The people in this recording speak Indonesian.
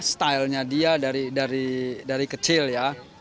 stylenya dia dari kecil ya